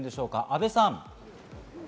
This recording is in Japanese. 阿部さん。